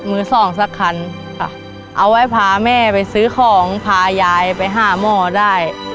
มือสองสักคันค่ะเอาไว้พาแม่ไปซื้อของพายายไปหาหมอได้